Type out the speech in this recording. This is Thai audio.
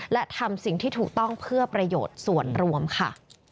และทำสิ่งที่ถูกต้องเพื่อประโยชน์ส่วนรวมค่ะ